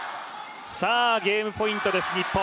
ゲームポイントです日本。